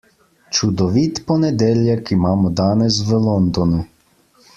Čudovit ponedeljek imamo danes v Londonu.